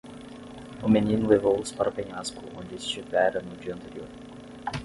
O menino levou-os para o penhasco onde estivera no dia anterior.